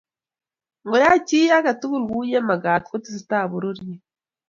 ngo yai chi age tugul kuye magat ko tesetai pororiet.